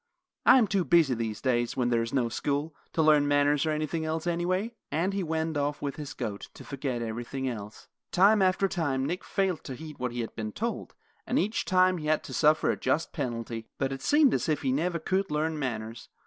I am too busy these days, when there is no school, to learn manners or anything else, anyway," and he went off with his goat, to forget everything else. Time after time Nick failed to heed what he had been told, and each time he had to suffer a just penalty; but it seemed as if he never could learn manners.